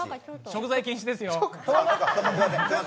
食材禁止ですよ。